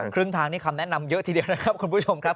ครึ่งทางนี่คำแนะนำเยอะทีเดียวนะครับคุณผู้ชมครับ